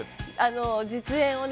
「実演をね